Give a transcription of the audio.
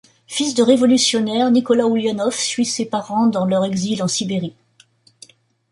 Fils de révolutionnaires, Nicolas Oulianoff suit ses parents dans leur exil en Sibérie.